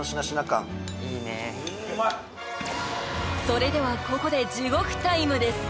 それではここで地獄タイムです